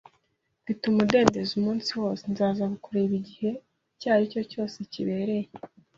Mfite umudendezo umunsi wose, nzaza kukureba igihe icyo ari cyo cyose kibereye